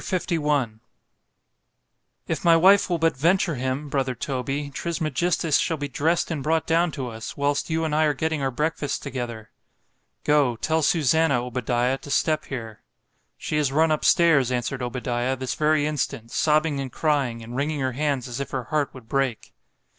LI IF my wife will but venture him—brother Toby, Trismegistus shall be dress'd and brought down to us, whilst you and I are getting our breakfasts together.—— ——Go, tell Susannah, Obadiah, to step here. She is run up stairs, answered Obadiah, this very instant, sobbing and crying, and wringing her hands as if her heart would break.